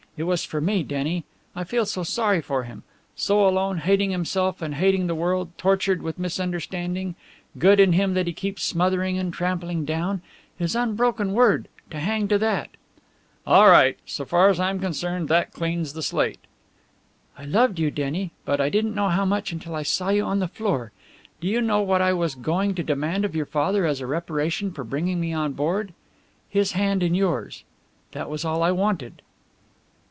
It was for me, Denny. I feel so sorry for him! So alone, hating himself and hating the world, tortured with misunderstanding good in him that he keeps smothering and trampling down. His unbroken word to hang to that!" "All right. So far as I'm concerned, that cleans the slate." "I loved you, Denny, but I didn't know how much until I saw you on the floor. Do you know what I was going to demand of your father as a reparation for bringing me on board? His hand in yours. That was all I wanted."